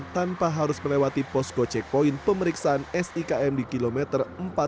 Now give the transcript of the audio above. tanpa harus melewati posko checkpoint pemeriksaan sikm di kilometer empat puluh lima